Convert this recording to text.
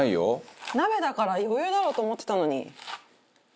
鍋だから余裕だろうと思ってたのに。